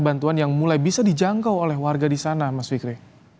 bantuan yang mulai bisa dijangkau oleh warga di sana mas fikri